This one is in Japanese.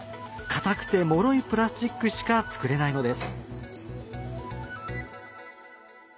かたくてもろいプラスチックしか作れないのです。